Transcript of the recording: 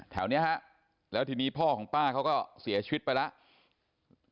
แถวนี้ฮะแล้วทีนี้พ่อของป้าเขาก็เสียชีวิตไปแล้ว